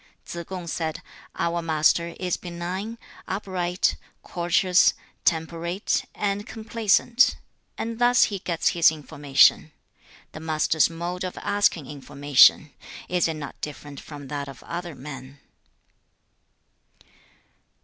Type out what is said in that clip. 2. Tsze kung said, 'Our master is benign, upright, courteous, temperate, and complaisant, and thus he gets his information. The master's mode of asking information! is it not different from that of other men?'